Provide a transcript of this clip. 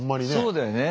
そうだよね。